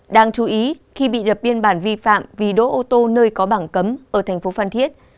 đáng chú ý khi bị lập biên bản vi phạm vì đỗ ô tô nơi có bảng cấm ở thành phố phan thiết